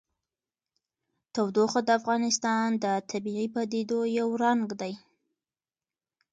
تودوخه د افغانستان د طبیعي پدیدو یو رنګ دی.